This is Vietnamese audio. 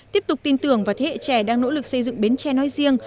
tiếp tục tin tưởng vào thế hệ trẻ đang nỗ lực xây dựng bến tre nói riêng